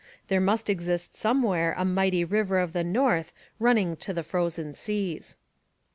There must exist somewhere a mighty river of the north running to the frozen seas.